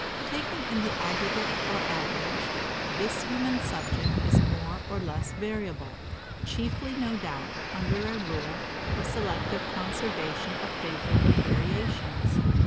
Taken in the aggregate or average, this human subject is more or less variable; chiefly, no doubt, under a rule of selective conservation of favorable variations.